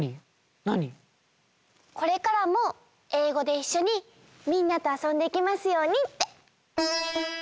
これからもえいごでいっしょにみんなとあそんでいけますようにって。